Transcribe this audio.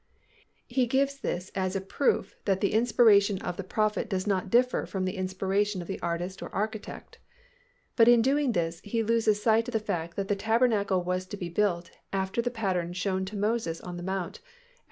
He gives this as a proof that the inspiration of the prophet does not differ from the inspiration of the artist or architect, but in doing this, he loses sight of the fact that the tabernacle was to be built after the "pattern shown to Moses in the Mount" (Ex.